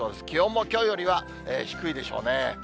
気温もきょうよりは低いでしょうね。